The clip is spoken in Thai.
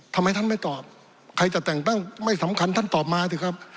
ทำไมท่านไม่ตอบใครจะแต่งตั้งไม่สำคัญท่านตอบมาสิครับ